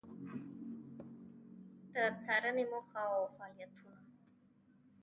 د څــارنـې موخـه او فعالیـتونـه: